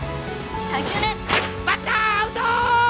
３球目バッターアウト！